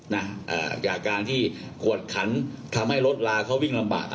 นะเอ่อจากการที่กวดขันทำให้รถลาเขาวิ่งลำบาก